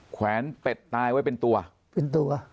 แขวนเป็ดตายไว้เป็นตัวเป็นตัว